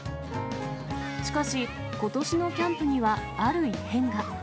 しかし、ことしのキャンプにはある異変が。